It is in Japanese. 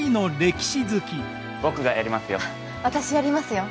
僕がやりますよ。